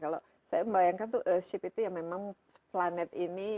kalau saya membayangkan tuh earship itu ya memang planet ini